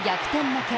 負け